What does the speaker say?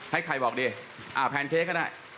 ให้ใครบอกดีแพนเค้กก็ได้